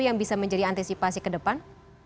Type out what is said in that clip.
yang bisa menjadi antisipasi ke depan